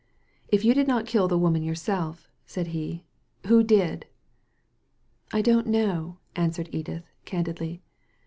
'' If you did not kill the woman yourself," said he, "who did?" " I don't know," answered Edith, candidly.